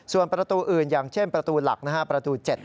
ส่วนประตูอื่นอย่างเช่นประตูหลักประตู๗